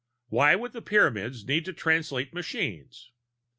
Why would the Pyramids need to Translate machines?